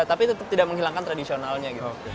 tapi tetap tidak menghilangkan tradisionalnya gitu